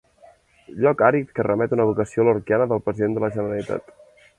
Lloc àrid que remet a una evocació lorquiana del president de la Generalitat.